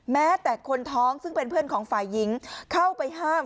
แม้แต่คนท้องซึ่งเป็นเพื่อนของฝ่ายหญิงเข้าไปห้าม